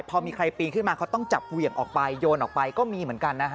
พอมีใครปีนขึ้นมาเขาต้องจับเหวี่ยงออกไปโยนออกไปก็มีเหมือนกันนะฮะ